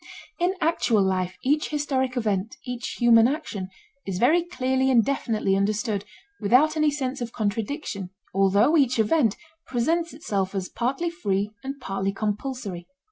In actual life each historic event, each human action, is very clearly and definitely understood without any sense of contradiction, although each event presents itself as partly free and partly compulsory.